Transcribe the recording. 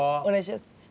お願いします！